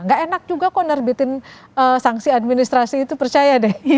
gak enak juga kok nerbitin sanksi administrasi itu percaya deh